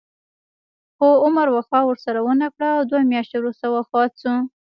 خو عمر وفا ورسره ونه کړه او دوه میاشتې وروسته وفات شو.